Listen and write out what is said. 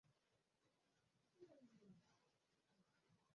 wa mbinguni ni kama punje ya haradali ambayo mtu anaipanda